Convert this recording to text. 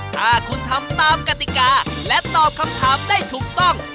ถ้าคุณทำตามกติกาและตอบคำถามได้ถูกต้อง